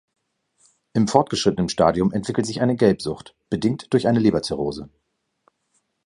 Im fortgeschrittenen Stadium entwickelt sich eine Gelbsucht, bedingt durch eine Leberzirrhose.